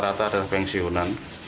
rata rata ada pensiunan